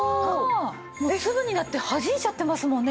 えっすぐにだってはじいちゃってますもんね。